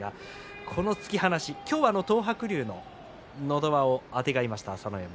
この突き放し今日は東白龍ののど輪をあてがいました、朝乃山。